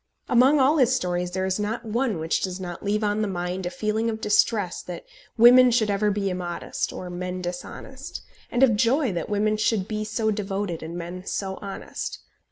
Among all his stories there is not one which does not leave on the mind a feeling of distress that women should ever be immodest or men dishonest, and of joy that women should be so devoted and men so honest.